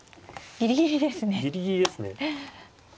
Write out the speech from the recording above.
ギリギリですね。